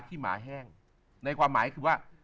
หมาแห้งในความหมายคือว่า